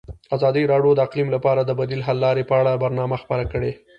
ازادي راډیو د اقلیم لپاره د بدیل حل لارې په اړه برنامه خپاره کړې.